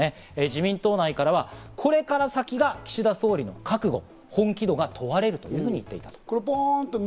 自民党からはこれから先が岸田総理の覚悟・本気度が問われるという指摘が出ています。